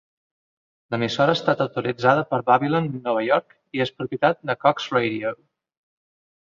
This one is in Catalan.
L'emissora ha estat autoritzada per Babylon, Nova York i és propietat de Cox Radio.